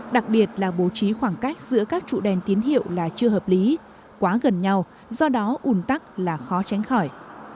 đặc biệt là bố trí khoảng cách giữa các trụ đèn tín hiệu là chưa hợp lý quá gần nhau do đó ủn tắc là khó tránh khỏi